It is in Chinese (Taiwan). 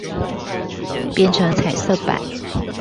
變成彩色版